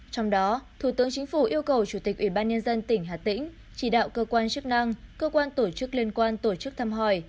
trong đó thủ tướng chính phủ yêu cầu chủ tịch ubnd tỉnh hà tĩnh chỉ đạo cơ quan chức năng cơ quan tổ chức liên quan tổ chức thăm hỏi